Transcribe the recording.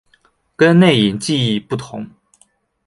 跟内隐记忆不同。